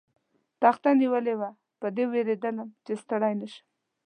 تخته نیولې وه، پر دې وېرېدم، چې ستړی نه شم.